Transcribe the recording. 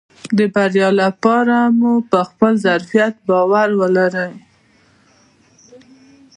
د بريا لپاره مو په خپل ظرفيت باور ولرئ .